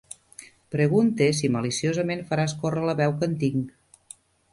Pregunte si maliciosament faràs córrer la veu que en tinc.